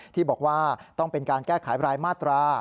ที่บอกว่าต้องเป็นการแก้ไขรายมาตรา